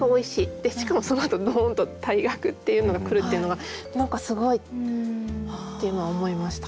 でしかもそのあとドーンと「退学」っていうのが来るっていうのが何かすごいっていうのは思いました。